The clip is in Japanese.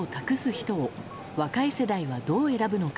人を若い世代はどう選ぶのか。